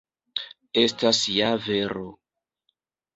Estas ja vero.